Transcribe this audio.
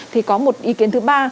thì có một ý kiến thứ ba